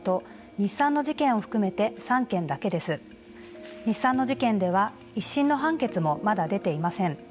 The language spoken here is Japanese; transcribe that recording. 日産の事件では１審の判決もまだ出ていません。